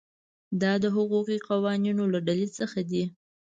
دا د حقوقي قوانینو له ډلې څخه دي.